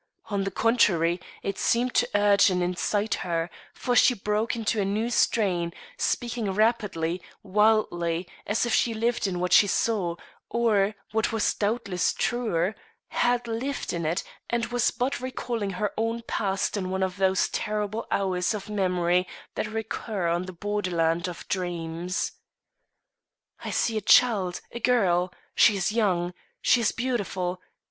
On the contrary, it seemed to urge and incite her, for she broke into a new strain, speaking rapidly, wildly, as if she lived in what she saw, or, what was doubtless truer, had lived in it and was but recalling her own past in one of those terrible hours of memory that recur on the border land of dreams. "I see a child, a girl. She is young; she is beautiful.